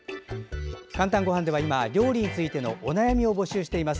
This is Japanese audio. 「かんたんごはん」では今料理についてのお悩みを募集しています。